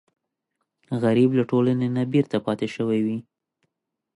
غریب له ټولنې نه بېرته پاتې شوی وي